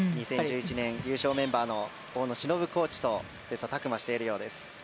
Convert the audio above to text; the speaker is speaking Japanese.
２０１１年優勝メンバーの大野忍コーチと切磋琢磨しているようです。